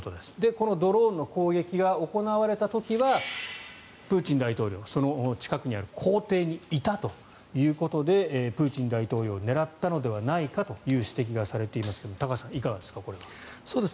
このドローンの攻撃が行われた時はプーチン大統領、その近くにある公邸にいたということでプーチン大統領を狙ったのではないかという指摘がされていますが高橋さん、いかがですかこれは。